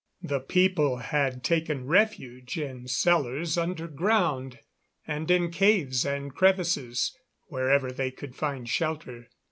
The people had taken refuge in cellars underground and in caves and crevices wherever they could find shelter.